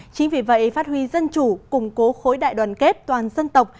chính vì vậy phát huy dân chủ củng cố khối đại đoàn kết toàn dân tộc